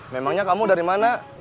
memangnya kamu dari mana